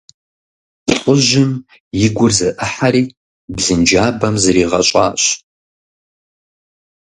ЛӀыжьым и гур зэӀыхьэри, блынджабэм зригъэщӀащ.